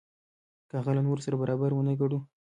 که هغه له نورو سره برابر ونه ګڼو.